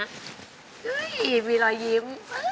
มีรอยยิ้ม